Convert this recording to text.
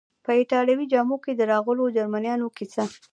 په ایټالوي جامو کې د راغلو جرمنیانو کیسه.